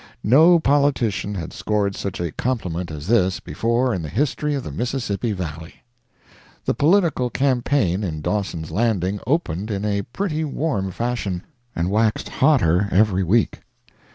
No politician had scored such a compliment as this before in the history of the Mississippi Valley. The political campaign in Dawson's Landing opened in a pretty warm fashion, and waxed hotter every week.